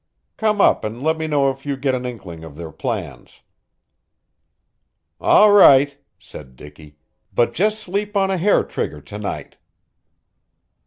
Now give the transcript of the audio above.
Come up and let me know if you get an inkling of their plans." "All right," said Dicky. "But just sleep on a hair trigger to night."